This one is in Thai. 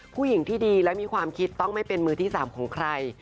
ผู้หญิงที่ดีและมีความคิดต้องไม่เป็นมือที่๓ของใคร